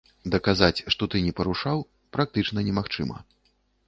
Даказаць, што ты не парушаў, практычна немагчыма.